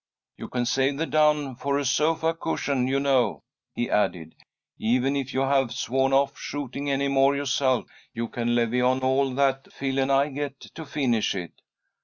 "You can save the down for a sofa cushion, you know," he added. "Even if you have sworn off shooting any more yourself, you can levy on all that Phil and I get, to finish it."